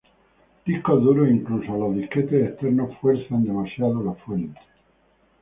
Discos duros e incluso los disquetes externos fuerzan demasiado la fuente.